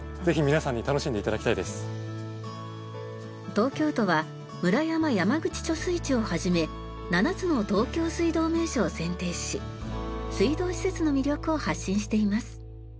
東京都は村山・山口貯水池をはじめ７つの東京水道名所を選定し水道施設の魅力を発信しています。